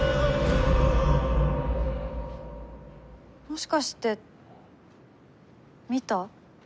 もしかして見た？